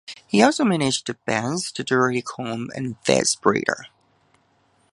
He also managed the bands The Durutti Column and Fast Breeder.